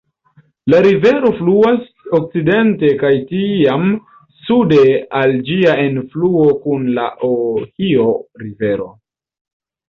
La rivero fluas okcidente kaj tiam sude al ĝia enfluo kun la Ohio-Rivero.